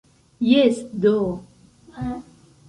Jes do!